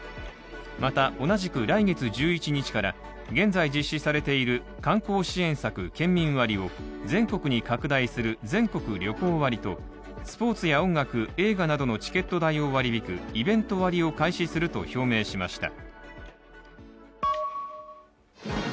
また、同じく来月１１日から現在実施されている観光支援策、県民割を全国に拡大する、全国旅行割と、スポーツや音楽、映画などのチケット代を割り引くイベント割を開始すると表明しました。